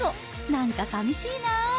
なんかさみしいな。